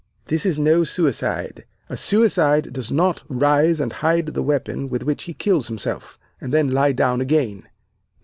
This is no suicide. A suicide does not rise and hide the weapon with which he kills himself, and then lie down again.